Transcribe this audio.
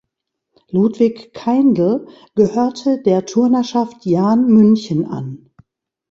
Ludwig Kaindl gehörte der Turnerschaft Jahn München an.